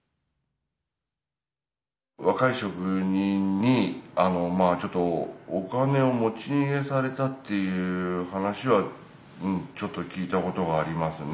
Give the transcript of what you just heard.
若い職人にお金を持ち逃げされたっていう話はちょっと聞いたことがありますね。